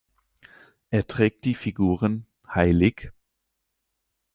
Er trägt die Figuren hl.